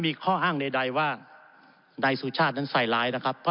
อะไรไหมหรือบอร์ดไม่ไม่จำเป็นต้องรู้ด้วย